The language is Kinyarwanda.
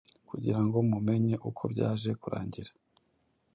kugirango mu menye uko byaje kurangira.